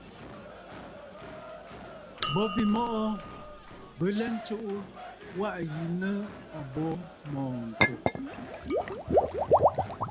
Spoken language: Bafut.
Bo bî mɔꞌɔ bɨ lɛtsù waꞌà yi nɨ̂ àbo mɔ̀ɔ̀ntə̀.